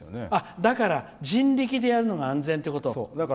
だから、人力でやるのが安全ってこと？